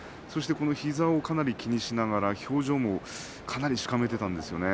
膝をかなり気にしながら表情もかなりしかめていたんですよね。